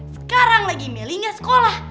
sekarang lagi meli gak sekolah